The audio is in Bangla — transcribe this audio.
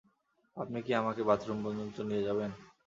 আপনি কি আমাকে বাথরুম পর্যন্ত নিয়ে যাবেন?